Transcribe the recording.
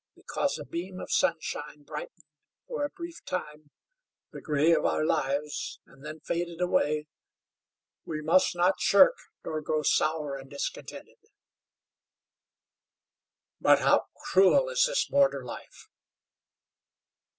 Because a beam of sunshine brightened, for a brief time, the gray of our lives, and then faded away, we must not shirk nor grow sour and discontented." "But how cruel is this border life!"